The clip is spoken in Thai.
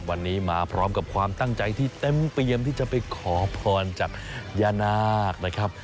วันนี้มาพร้อมกับความตั้งใจที่เต็มเปรียมที่จะไปขอพรจากย่านาคนะครับ